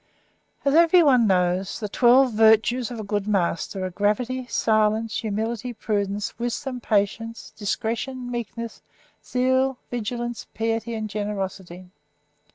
As everyone knows, the twelve virtues of a good master are Gravity, Silence, Humility, Prudence, Wisdom, Patience, Discretion, Meekness, Zeal, Vigilance, Piety, and Generosity.